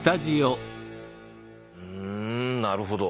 うんなるほど。